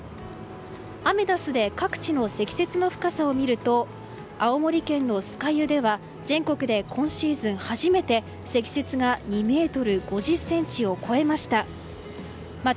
アメダスで各地の積雪の深さを見ると青森県の酸ヶ湯では全国で今シーズン初めて積雪が２ｍ５０ｃｍを超えました。